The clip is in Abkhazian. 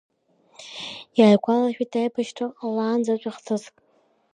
Иааигәалашәеит аибашьра ҟалаанӡатәи хҭыск…